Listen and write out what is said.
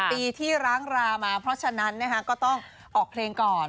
ปีที่ร้างรามาเพราะฉะนั้นก็ต้องออกเพลงก่อน